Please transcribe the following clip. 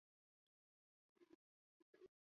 陆奥国相马中村藩主相马充胤之三子。